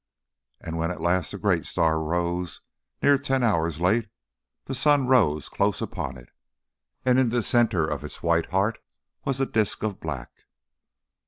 And when at last the great star rose near ten hours late, the sun rose close upon it, and in the centre of its white heart was a disc of black.